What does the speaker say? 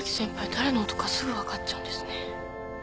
誰の音かすぐ分かっちゃうんですね。